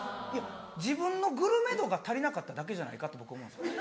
自分のグルメ度が足りなかっただけじゃないかって僕思うんですよ。